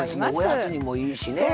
おやつにもいいしねえ。